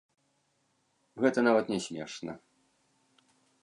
Гэта нават не смешна.